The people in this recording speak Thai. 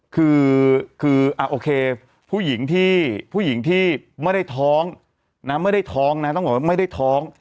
คืออ่าโอเคผู้หญิงที่ไม่ได้ท้องนะไม่ได้ท้องนะต้องบอกว่าไม่ได้ท้อง